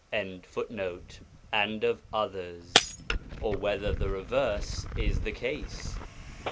] and of others, or whether the reverse is the case.